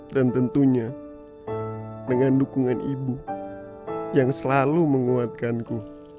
dan tentunya dengan dukungan ibu yang selalu menguatkanku